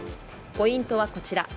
ポイントはこちら。